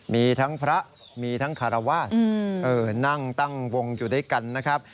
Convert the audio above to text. มีทั้งพระมีทั้งคารวาสนั่งตั้งวงอยู่ด้วยกันนะครับ